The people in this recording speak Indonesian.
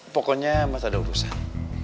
pokoknya mas ada urusan